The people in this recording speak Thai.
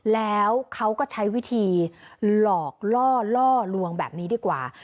แล้วเขาก็ใช้วิธีหลอกล่อล่อลวงแบบนี้ดีกว่า